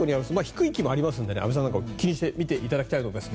低い木もありますので安部さんなんか気にして見てもらいたいと思います。